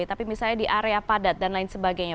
tapi misalnya di area padat dan lain sebagainya